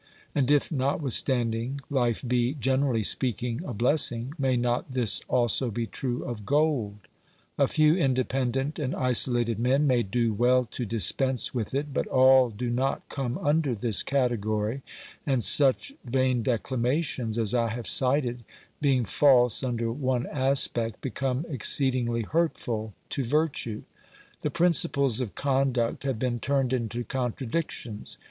And if, notwithstanding, life be, generally speak ing, a blessing, may not this also be true of gold ? A few independent and isolated men may do well to dispense with it, but all do not come under this category, and such vain declamations as I have cited, being false under one aspect, become exceedingly hurtful to virtue. The prin ciples of conduct have been turned into contradictions.